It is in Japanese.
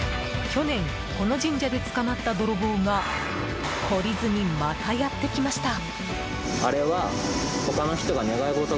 去年この神社で捕まった泥棒が懲りずにまたやって来ました。